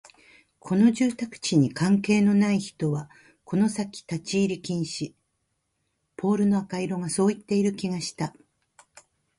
この住宅地に関係のない人はこの先立ち入り禁止、ポールの赤色がそう言っている気がした